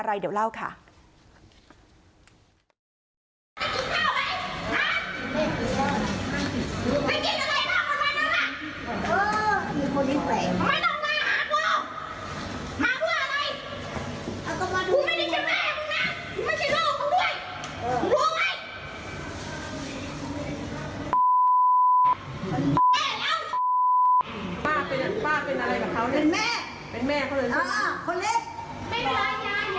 ป้าเป็นอะไรกับเขาเป็นแม่เป็นแม่เขาเลยอ่าคนเล็ก